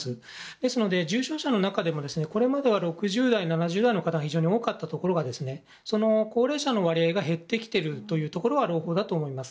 ですので重症者の中でもこれまでは６０代７０代が非常に多かったところが高齢者の割合が減ってきているというところは朗報だと思います。